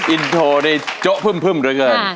อินโทในโจ๊ะพึ่มเยอะเกิน